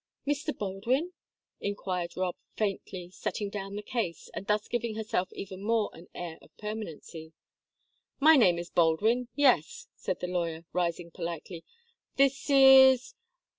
"Mr. Baldwin?" inquired Rob, faintly, setting down the case, and thus giving herself even more an air of permanency. "My name is Baldwin, yes," said the lawyer, rising politely. "This is